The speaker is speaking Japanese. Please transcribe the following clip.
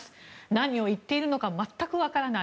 何を言っているのか全く分からない。